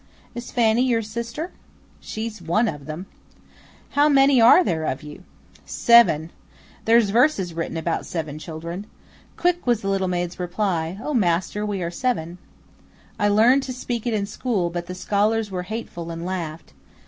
"Is Fanny your sister?" "She's one of them." "How many are there of you?" "Seven. There's verses written about seven children: "'Quick was the little Maid's reply, O master! we are seven!' I learned it to speak in school, but the scholars were hateful and laughed.